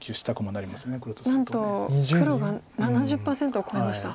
なんと黒が７０％を超えました。